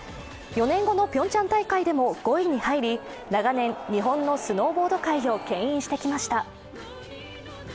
４年後のピョンチャン大会でも５位に入り、長年、日本のスノーボード界をけん引してきました。